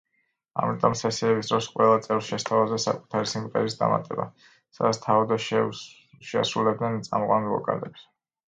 ამიტომ სესიების დროს ყველა წევრს შესთავაზა საკუთარი სიმღერის დამატება, სადაც თავადვე შეასრულებდნენ წამყვან ვოკალებს.